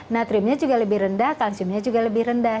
natriumnya juga lebih rendah kalsiumnya juga lebih rendah